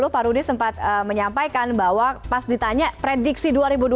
pak rudy sempat menyampaikan bahwa pas ditanya prediksi dua ribu dua puluh